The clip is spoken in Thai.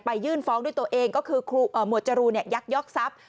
ไปยื่นฟ้องด้วยตัวเองก็คือโมชรูเนี่ยยักษ์ยอกทรัพย์